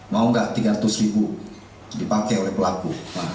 mau tidak rp tiga ratus dipakai oleh pelaku